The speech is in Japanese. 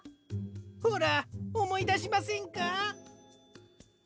ほらおもいだしませんか？